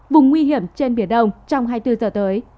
vùng nguy hiểm trên biển đông trong hai mươi bốn giờ tới